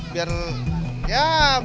biar ya minimal bisa mengurangi polusi